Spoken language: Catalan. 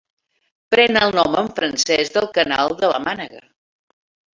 Pren el nom en francès del canal de la Mànega.